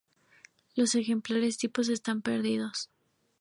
Los ejemplares tipos están perdidos.